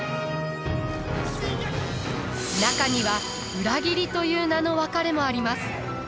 中には裏切りという名の別れもあります。